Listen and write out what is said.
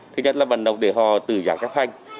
thứ nhất là vận động để họ tự giác chấp hành